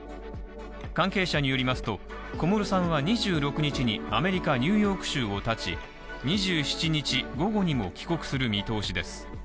関係者によりますと、小室さんは２６日にアメリカ・ニューヨーク州をたち、２７日午後にも帰国する見通しです。